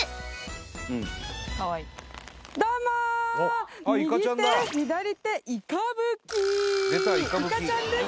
どうも右手左手いかぶきいかちゃんです